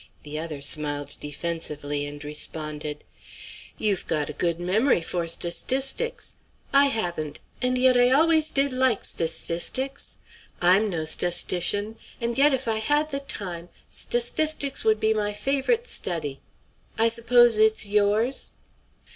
The other smiled defensively, and responded: "You've got a good memory for sta stistics. I haven't; and yet I always did like sta stistics. I'm no sta stitian, and yet if I had the time sta stistics would be my favorite study; I s'pose it's yours."